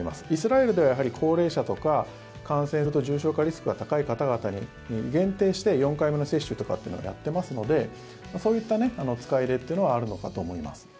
イスラエルでは高齢者とか感染すると重症化リスクが高い方々に限定して４回目の接種とかをやっていますのでそういった使い入れというのはあるのかと思います。